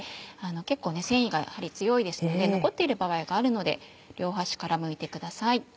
結構繊維がやはり強いですので残っている場合があるので両端からむいてください。